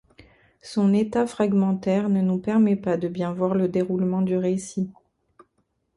Son état fragmentaire ne nous permet pas de bien voir le déroulement du récit.